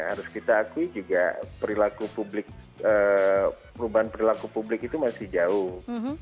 harus kita akui juga perilaku publik perubahan perilaku publik itu masih jauh